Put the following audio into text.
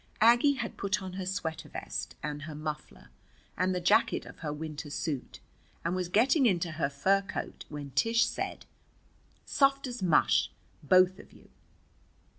Aggie had put on her sweater vest and her muffler and the jacket of her winter suit and was getting into her fur coat, when Tish said: "Soft as mush, both of you!"